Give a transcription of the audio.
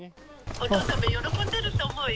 お父さんも喜んでいると思うよ。